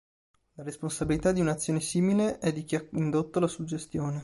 La responsabilità di un'azione simile è di chi ha indotto la suggestione.